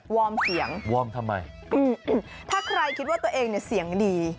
วอร์มเสียงถ้าใครคิดว่าตัวเองเสียงดี